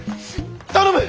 頼む！